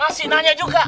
masih nanya juga